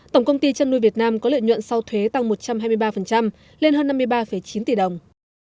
tổng công ty chăn nuôi việt nam có lợi nhuận sau thuế tăng một trăm hai mươi ba lên hơn năm mươi ba chín tỷ đồng